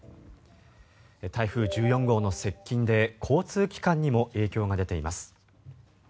台風１４号の接近で交通機関にも影響が出ています。